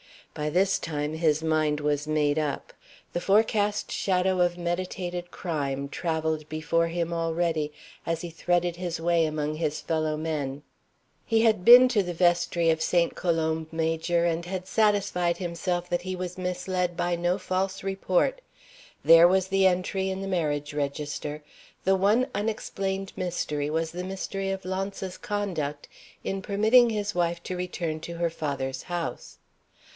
By this time his mind was made up. The forecast shadow of meditated crime traveled before him already, as he threaded his way among his fellow men. He had been to the vestry of St. Columb Major, and had satisfied himself that he was misled by no false report. There was the entry in the Marriage Register. The one unexplained mystery was the mystery of Launce's conduct in permitting his wife to return to her father's house.